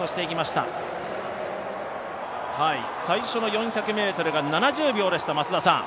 はい最初の４００ｍが７０秒でした増田さん